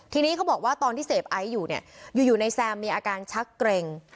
ทีนี้เขาบอกว่าตอนที่เสพไอซ์อยู่เนี่ยอยู่ในแซมมีอาการชักเกร็ง